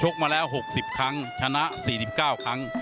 มาแล้ว๖๐ครั้งชนะ๔๙ครั้ง